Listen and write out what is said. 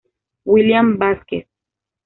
William Vásquez